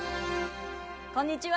こんにちは